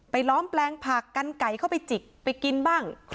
ล้อมแปลงผักกันไก่เข้าไปจิกไปกินบ้าง